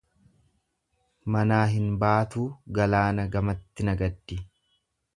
Manaa hin baatuu galaana gamatti nagaddi.